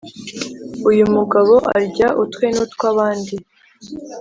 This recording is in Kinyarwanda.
uyumugabo arya utwe n’utwabandi